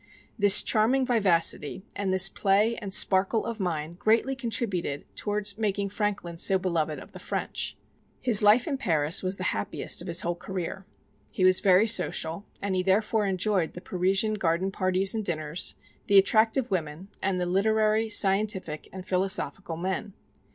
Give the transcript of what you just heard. This charming vivacity and this play and sparkle of mind greatly contributed towards making Franklin so beloved of the French. His life in Paris was the happiest of his whole career. He was very social, and he therefore enjoyed the Parisian garden parties and dinners, the attractive women, and the literary, scientific and philosophical men.